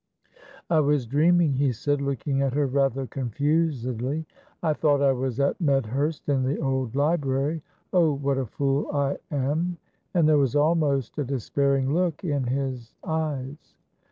"I was dreaming," he said, looking at her rather confusedly. "I thought I was at Medhurst, in the old library; oh, what a fool I am!" and there was almost a despairing look in his eyes.